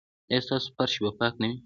ایا ستاسو فرش به پاک نه وي؟